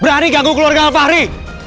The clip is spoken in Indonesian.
berani ganggu keluarga alfahri